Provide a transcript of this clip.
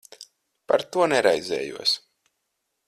Par to neraizējos.